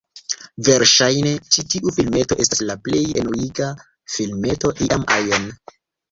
Verŝajne, ĉi tiu filmeto estas la plej enuiga filmeto iam ajn.